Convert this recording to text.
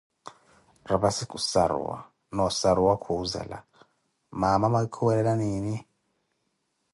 Rapassi khuʼssaruwa, noo ossaruwa khuzela, mamaa mwakikuwelela nini?